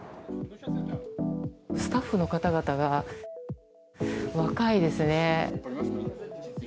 スタッフの方々が若いですね。